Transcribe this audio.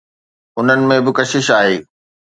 انهن ۾ به ڪشش آهي.